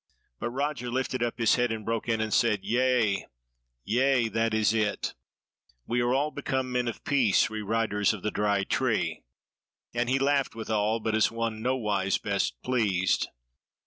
But Roger lifted up his head and broke in, and said: "Yea, yea! that is it: we are all become men of peace, we riders of the Dry Tree!" And he laughed withal, but as one nowise best pleased.